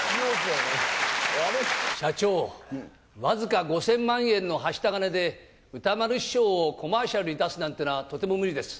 社長、僅か５０００万円のはした金で、歌丸師匠をコマーシャルに出すなんてのは、とても無理です。